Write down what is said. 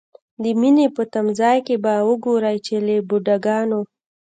د مینې په تمځای کې به وګورئ چې له بوډاګانو.